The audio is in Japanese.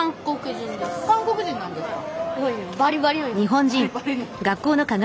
韓国人なんですか。